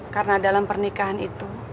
karena dalam pernikahan itu